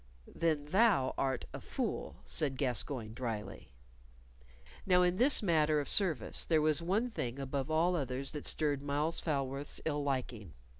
"Then thou art a fool," said Gascoyne, dryly. Now in this matter of service there was one thing above all others that stirred Myles Falworth's ill liking.